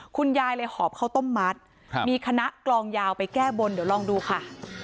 คุณยายเลยหอบข้าวต้มมัดมีคณะกลองยาวไปแก้บนเดี๋ยวลองดูค่ะ